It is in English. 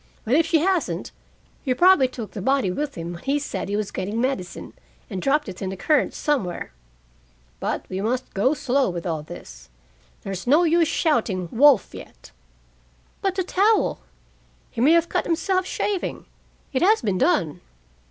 But if she hasn't He probably took the body with him when he said he was getting medicine, and dropped it in the current somewhere. But we must go slow with all this. There's no use shouting 'wolf' yet." "But the towel?" "He may have cut himself, shaving. It has been done."